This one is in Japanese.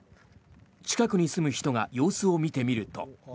近くに住む人が様子を見てみると。